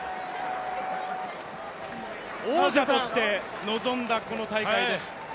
王者として臨んだこの大会です。